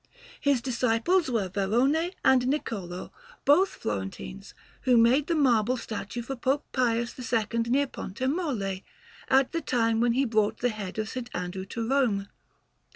His disciples were Varrone and Niccolò, both Florentines, who made the marble statue for Pope Pius II near Pontemolle, at the time when he brought the head of S. Andrew to Rome.